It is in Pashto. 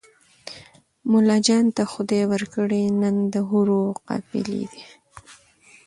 ملاجان ته خدای ورکړي نن د حورو قافلې دي